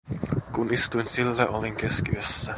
Kun istuin sillä, olin keskiössä.